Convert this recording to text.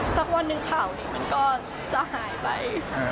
สักวันหนึ่งข่าวนี้มันก็จะหายไป